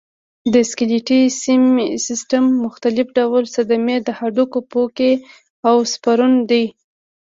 د سکلیټي سیستم مختلف ډول صدمې د هډوکو پوکی او سپرن دی.